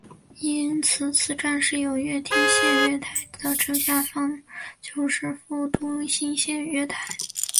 因此此站的有乐町线月台的正下方就是副都心线月台。